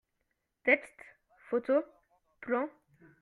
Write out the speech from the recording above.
textes, photos, plans…